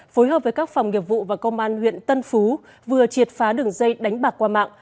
phối hợp với các phòng nghiệp vụ và công an huyện tân phú vừa triệt phá đường dây đánh bạc qua mạng